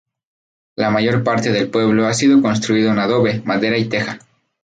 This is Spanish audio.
La mayor parte del pueblo ha sido construido en adobe, madera y teja.